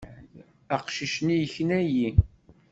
Aqcic-nni yekna-iyi.